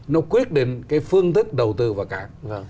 nó quyết định cái phương thức đầu tư vào cảng